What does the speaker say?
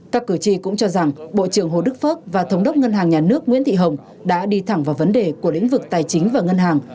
các cử tri cũng cho rằng bộ trưởng hồ đức phước và thống đốc ngân hàng nhà nước nguyễn thị hồng đã đi thẳng vào vấn đề của lĩnh vực tài chính và ngân hàng